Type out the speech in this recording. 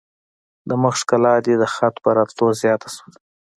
د مخ ښکلا دي د خط په راتلو زیاته شوه.